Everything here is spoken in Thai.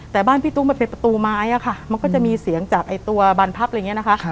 แต่บ้านพี่ตุ๊กมันเป็นประตูไม้อะค่ะมันก็จะมีเสียงจากตัวบานพับอะไรอย่างนี้นะคะ